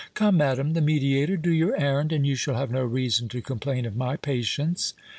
— Come, madam, the mediator, do your errand, and you shall have no reason to complain of my patience."